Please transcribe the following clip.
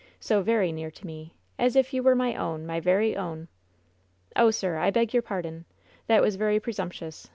So very near to me! As if you were my own, my very own! Oh, sir! I beg your pardon! that was very pre sumptuous!